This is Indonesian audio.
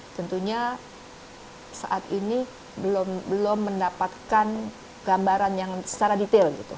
tentunya saat ini belum mendapatkan gambaran yang secara detail